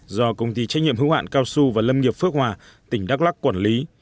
do công ty trách nhiệm hữu hạn cao su và lâm nghiệp phước hòa tỉnh đắk lắc quản lý